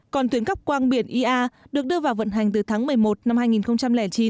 còn tuyến cắp quang biển ia được đưa vào vận hành từ tháng một mươi một năm hai nghìn chín